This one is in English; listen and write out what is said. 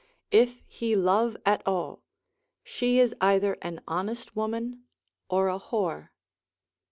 If he love at all, she is either an honest woman or a whore.